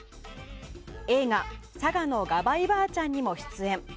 映画「佐賀のがばいばあちゃん」にも出演。